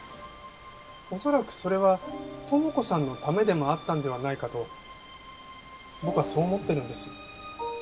恐らくそれは友子さんのためでもあったんではないかと僕はそう思ってるんです。